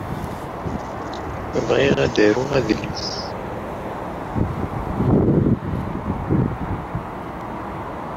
Bɣiɣ ad d-aruɣ adlis.